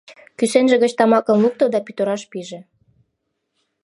Кӱсенже гыч тамакым лукто да пӱтыраш пиже.